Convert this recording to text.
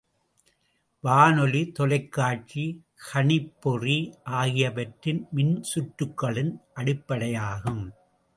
வானொலி, தொலைக்காட்சி, கணிப்பொறி ஆகியவற்றின் மின்சுற்றுகளின் அடிப்படையாகும்.